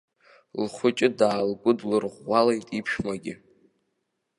Лхәыҷы даалгәыдлырӷәӷәалеит иԥшәмагьы.